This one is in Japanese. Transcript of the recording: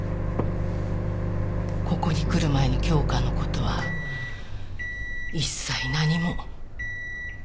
ここに来る前の京花のことは一切何も。